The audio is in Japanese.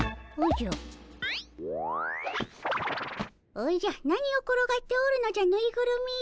おじゃ何を転がっておるのじゃぬいぐるみよ。